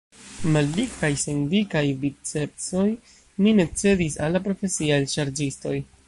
Maldika, kaj sen dikaj bicepsoj, mi ne cedis al la profesiaj elŝarĝistoj.